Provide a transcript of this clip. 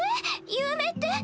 有名って？